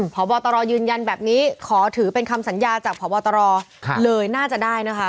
พบตรยืนยันแบบนี้ขอถือเป็นคำสัญญาจากพบตรเลยน่าจะได้นะคะ